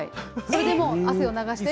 それで汗を流して。